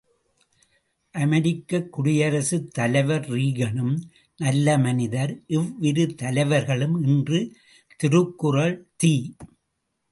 அமெரிக்கக் குடியரசுத் தலைவர் ரீகனும் நல்ல மனிதர், இவ்விரு தலைவர்களும் இன்று திருக்குறள் தி.